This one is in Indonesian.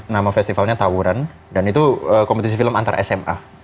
nama festivalnya tawuran dan itu kompetisi film antar sma